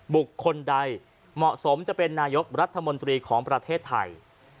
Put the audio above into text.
บุคคลใดเหมาะสมจะเป็นนายกรัฐมนตรีของประเทศไทย